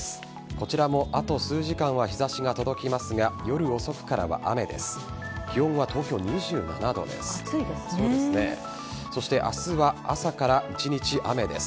こちらもあと数時間は日差しが届きますが夜遅くからは雨です。